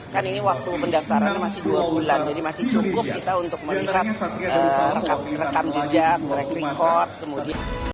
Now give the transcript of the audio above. kan ini waktu pendaftarannya masih dua bulan jadi masih cukup kita untuk melihat rekam jejak track record kemudian